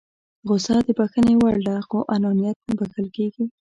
غوسه د بښنې وړ ده خو انانيت نه بښل کېږي.